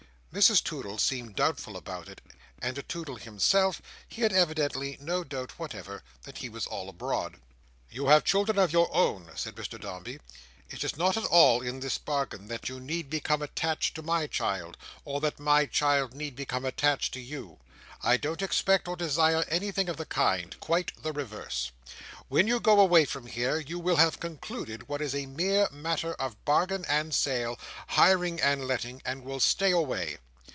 Mrs Toodle seemed doubtful about it; and as to Toodle himself, he had evidently no doubt whatever, that he was all abroad. "You have children of your own," said Mr Dombey. "It is not at all in this bargain that you need become attached to my child, or that my child need become attached to you. I don't expect or desire anything of the kind. Quite the reverse. When you go away from here, you will have concluded what is a mere matter of bargain and sale, hiring and letting: and will stay away.